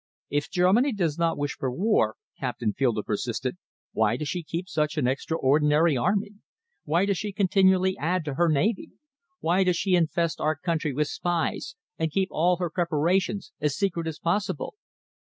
"If Germany does not wish for war," Captain Fielder persisted, "why does she keep such an extraordinary army? Why does she continually add to her navy? Why does she infest our country with spies and keep all her preparations as secret as possible?"